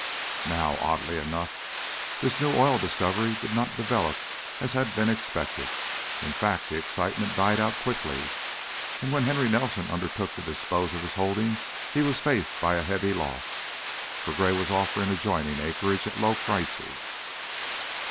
Now, oddly enough, this new oil discovery did not develop as had been expected in fact, the excitement died out quickly and when Henry Nelson undertook to dispose of his holdings he was faced by a heavy loss, for Gray was offering adjoining acreage at low prices.